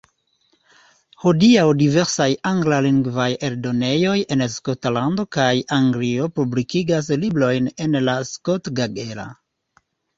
Hodiaŭ diversaj anglalingvaj eldonejoj en Skotlando kaj Anglio publikigas librojn en la skotgaela.